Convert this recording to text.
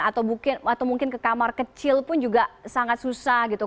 atau mungkin ke kamar kecil pun juga sangat susah gitu